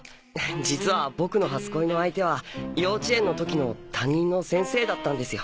実はボクの初恋の相手は幼稚園の時の担任の先生だったんですよ。